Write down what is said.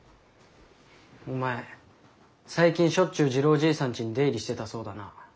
お前最近しょっちゅう次郎じいさんちに出入りしてたそうだな？